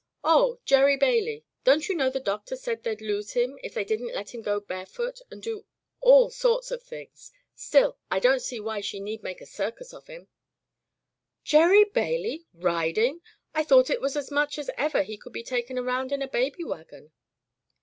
Oh!— Gerry Bailey. Don't you know the Doctor said they'd lose him if they didn't let him go barefoot and do all sorts Digitized by LjOOQ IC The Convalescence of Gerald of things ? Still, I don't see why she need make a circus of him," "Gerry Bailey, riding! I thought it was as much as ever he could be taken around in a baby wagon!"